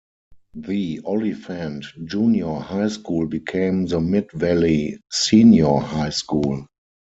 The Olyphant Junior High School became the Mid-Valley Senior High School.